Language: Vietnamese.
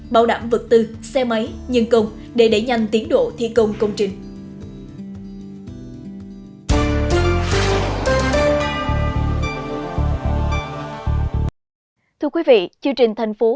bán vật tư xe máy nhân công để đẩy nhanh tiến độ thi công công trình